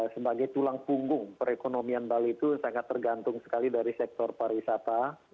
sebagai tulang punggung perekonomian bali itu sangat tergantung sekali dari sektor pariwisata